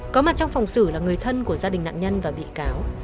có mặt trong phòng xử là người thân của gia đình nạn nhân và bị cáo